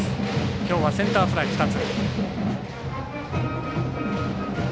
きょうはセンターフライ２つ。